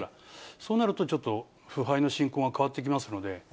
そうなるとちょっと腐敗の進行が変わってきますので。